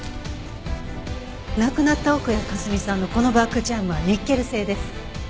亡くなった奥谷香澄さんのこのバッグチャームはニッケル製です。